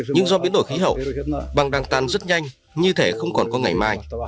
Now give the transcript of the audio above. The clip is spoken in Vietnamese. nhưng do biến đổi khí hậu băng đang tan rất nhanh như thế không còn có ngày mai